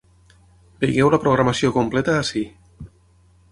Vegeu la programació completa ací.